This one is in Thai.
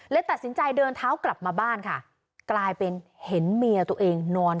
ตัดสินใจเดินเท้ากลับมาบ้านค่ะกลายเป็นเห็นเมียตัวเองนอน